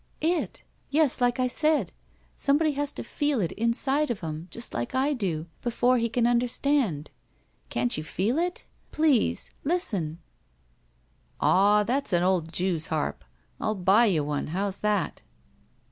''It! Yes, like I said. Somebody has to feel it inside of him, just like I do, before he can under stand. Can't you feel it? Please! Listen." "Aw, that's an old jew's harp. Ill buy you one. How's that?"